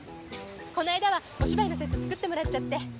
この間はお芝居のセット作ってもらっちゃって。